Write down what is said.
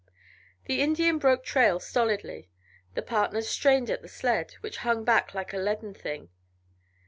The Indian broke trail stolidly; the partners strained at the sled, which hung back like a leaden thing.